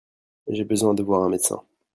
J'ai besoin de voir un médecin.